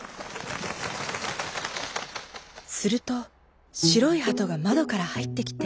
するとしろいハトがまどからはいってきて。